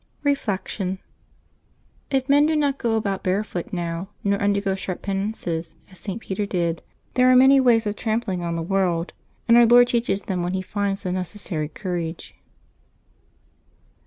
Reflection. — If men do not go about barefoot now, nor undergo sharp penances, as St. Peter did, there are many ways of trampling on the world; and Our Lord teaches them when He finds the necessary courage.